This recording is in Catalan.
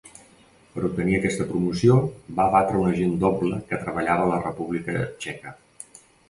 Per obtenir aquesta promoció, va abatre un agent doble que treballava a la República txeca.